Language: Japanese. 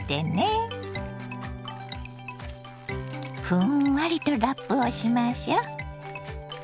ふんわりとラップをしましょ。